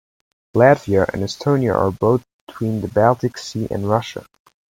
Latvia and Estonia are both between the Baltic Sea and Russia.